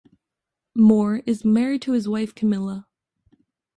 Moore is married to wife Camilla.